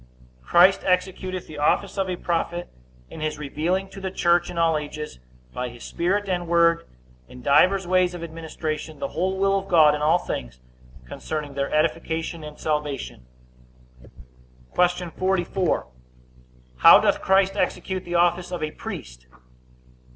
Christ executeth the office of a prophet, in his revealing to the church, in all ages, by his Spirit and word, in divers ways of administration, the whole will of God, in all things concerning their edification and salvation. Q. 44. How doth Christ execute the office of a priest?